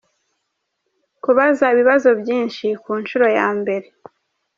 Kubaza ibibazo byinshi ku nshuro ya mbere.